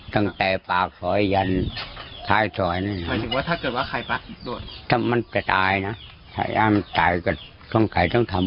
ตั้งแต่ปากซอยยันท่ายซอยนั่นเนาะ